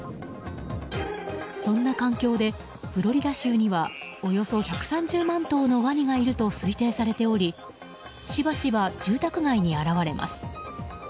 そんな環境で、フロリダ州にはおよそ１３０万頭のワニがいると推定されておりしばしば住宅街に現れます。